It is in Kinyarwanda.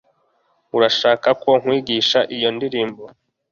urashaka ko nkwigisha iyo ndirimbo